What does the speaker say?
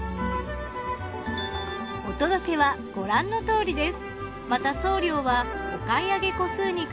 お届けはご覧のとおりです。